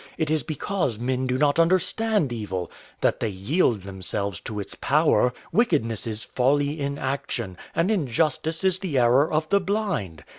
It is because men do not understand evil that they yield themselves to its power. Wickedness is folly in action, and injustice is the error of the blind.